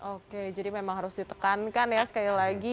oke jadi memang harus ditekankan ya sekali lagi